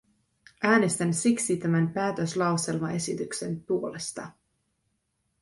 Äänestän siksi tämän päätöslauselmaesityksen puolesta.